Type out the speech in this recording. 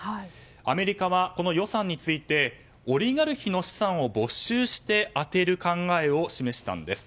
アメリカはこの予算についてオリガルヒの資産を没収して充てる考えを示したんです。